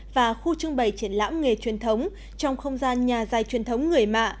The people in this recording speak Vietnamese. và khu trưng bày triển lãm nghề truyền thống trong không gian nhà dài truyền thống người mạ